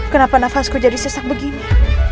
kenapa nafasku jadi sesak begini